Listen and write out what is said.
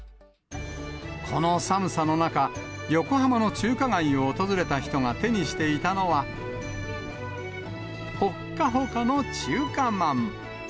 この寒さの中、横浜の中華街を訪れた人が手にしていたのは、ほっかほかの中華まん。